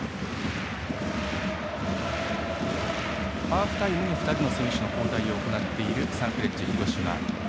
ハーフタイムに２人の選手交代を行っているサンフレッチェ広島。